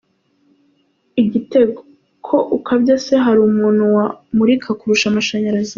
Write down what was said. Igitego:Ko ukabya se hari umuntu wamurika kurusha amashanyarazi?.